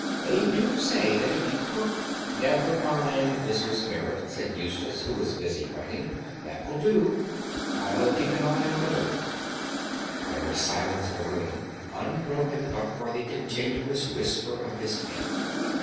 They do say that if you cook—" "Never mind, Mrs. Merrit," said Eustace, who was busy writing. "That will do; I'll keep an eye on the bird." There was silence in the room, unbroken but for the continuous whisper of his pen.